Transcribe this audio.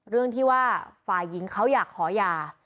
เรื่องที่ว่าฝ่ายหญิงเขาอยากขอหย่า